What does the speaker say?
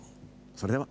それでは。